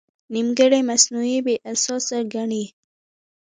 نیمګړی مصنوعي بې اساسه ګڼي.